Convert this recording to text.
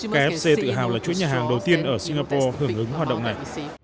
kfc tự hào là chuỗi nhà hàng đầu tiên ở singapore hưởng ứng hoạt động này